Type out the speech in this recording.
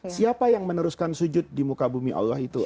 siapa yang meneruskan sujud di muka bumi allah itu